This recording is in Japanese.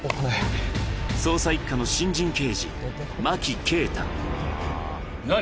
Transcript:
捜査一課の新人刑事、真木慶何？